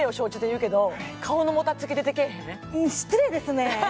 うん失礼ですね